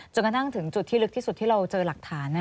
จนกระทั่งถึงจุดที่ลึกที่สุดที่เราเจอหลักฐาน